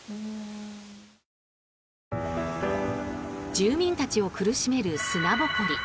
住民たちを苦しめる砂ぼこり。